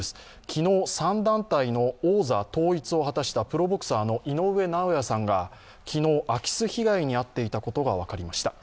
昨日３団体の王座統一を果たしたプロボクサーの井上尚弥さんが昨日空き巣被害に遭っていたことが分かりました。